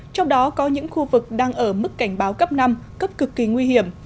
trong đó có những khu vực đang ở mức cảnh báo cấp năm cấp cực kỳ nguy hiểm